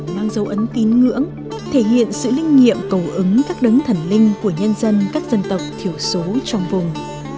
mang dấu ấn tín ngưỡng thể hiện sự linh nghiệm cầu ứng các đấng thần linh của nhân dân các dân tộc thiểu số trong vùng